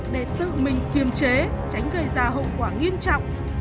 để tự mình kiềm chế tránh gây ra hậu quả nghiêm trọng